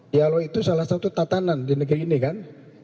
dialog itu salah satu tatanan di negeri ini kan